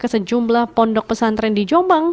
ke sejumlah pondok pesantren di jombang